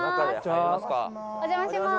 「お邪魔します！」